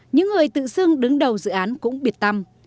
những người tự xưng đứng đầu dự án cũng biệt tâm